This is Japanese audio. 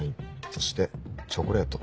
そしてチョコレート。